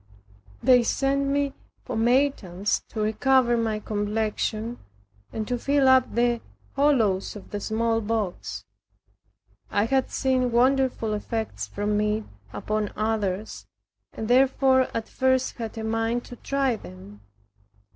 They sent me pomatums to recover my complexion, and to fill up the hollows of the smallpox. I had seen wonderful effects from it upon others, and therefore at first had a mind to try them.